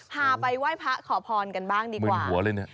พาไปไหว้พระขอพรกันบ้างดีกว่า